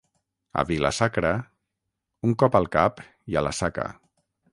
A Vila-sacra, un cop al cap i a la saca.